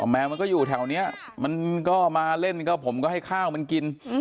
แมวมันก็อยู่แถวนี้มันก็มาเล่นก็ผมก็ให้ข้าวมันกิน